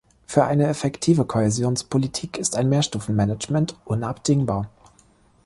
Für eine effektive Kohäsionspolitik ist ein Mehrstufen-Management unabdingbar.